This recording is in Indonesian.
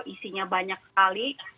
isinya banyak sekali